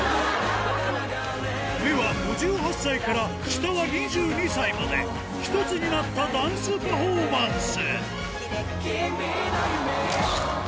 上は５８歳から下は２２歳まで、一つになったダンスパフォーマンス。